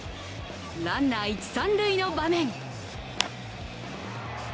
ランナー一・三塁の場面。